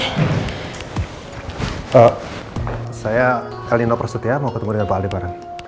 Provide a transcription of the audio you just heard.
eh saya kalino prasut ya mau ketemu dengan pak aldebaran